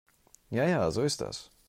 Ja ja, so ist das.